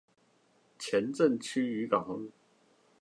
前鎮區漁港路